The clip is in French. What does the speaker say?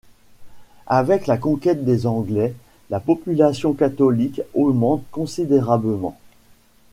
Avec la conquête des anglais la population catholique augmente considérablement.